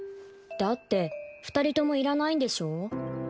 だって二人ともいらないんでしょ。